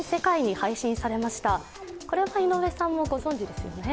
これは井上さんもご存じですよね？